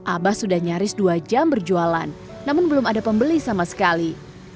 abah sudah nyaris dua jam berjualan namun belum ada pembeli sama sekali